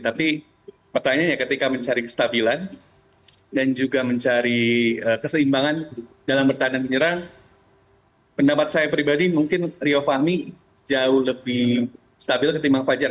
tapi pertanyaannya ketika mencari kestabilan dan juga mencari keseimbangan dalam bertandang menyerang pendapat saya pribadi mungkin rio fahmi jauh lebih stabil ketimbang fajar